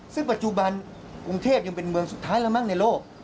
ซึ่งปัจจุบันกรุงเทพยังเป็นเมืองสุดท้ายแล้วมั้งในโลก